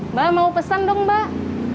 mbak mau pesan dong mbak